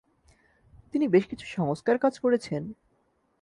তিনি বেশ কিছু সংস্কার কাজ করেছেন।